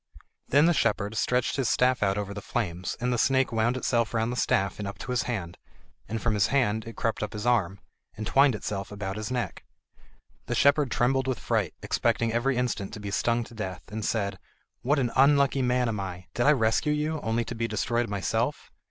Then the shepherd stretched his staff out over the flames and the snake wound itself round the staff and up to his hand, and from his hand it crept up his arm, and twined itself about his neck. The shepherd trembled with fright, expecting every instant to be stung to death, and said: "What an unlucky man I am! Did I rescue you only to be destroyed myself?"